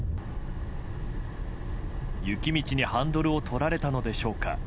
雪道に、ハンドルを取られたのでしょうか。